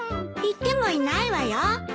行ってもいないわよ。